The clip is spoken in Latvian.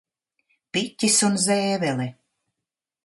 Piķis un zēvele